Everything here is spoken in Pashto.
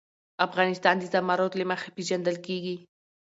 افغانستان د زمرد له مخې پېژندل کېږي.